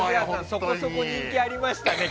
そこそこ人気ありましたね